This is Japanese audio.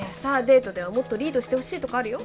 デートではもっとリードしてほしいとかあるよ